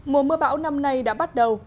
mùa mưa bão năm nay đã bắt đầu